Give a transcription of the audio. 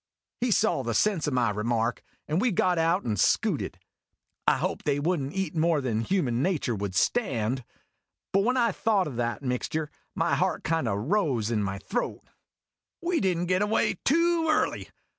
He saw the sense o' my remark, and we got out and scooted. I hoped they would n't eat more than human natur' would stand 226 IMAGINOTIONS but when I thought o' that mixture, my heart kind of rose in my throat. We did n't get away too early.